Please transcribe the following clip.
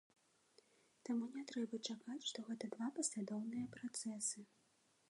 Таму не трэба чакаць, што гэта два паслядоўныя працэсы.